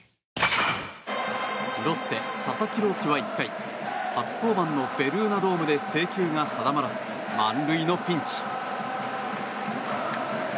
ロッテ、佐々木朗希は１回初登板のベルーナドームで制球が定まらず、満塁のピンチ。